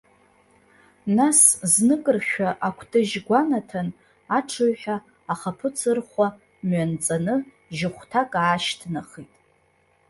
Нас зныкыршәа акәтыжь гәанаҭан, аҽыҩҳәа ахаԥыц-ырхәа мҩанҵаны, жьыхәҭак аашьҭнахит.